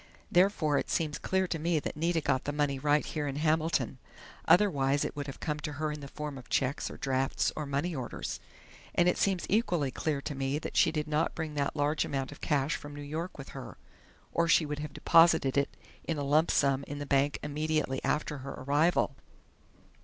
Therefore it seems clear to me that Nita got the money right here in Hamilton; otherwise it would have come to her in the form of checks or drafts or money orders. And it seems equally clear to me that she did not bring that large amount of cash from New York with her, or she would have deposited it in a lump sum in the bank immediately after her arrival."